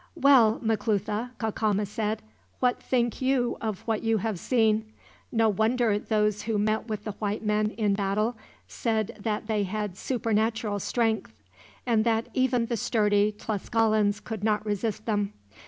"Well, Maclutha," Cacama said; "what think you of what you have seen? No wonder those who met with the white men, in battle, said that they had supernatural strength; and that even the sturdy Tlascalans could not resist them.